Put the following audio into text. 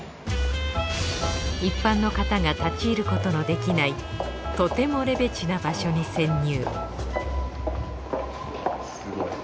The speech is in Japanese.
一般の方が立ち入ることのできないとてもレベチな場所に潜入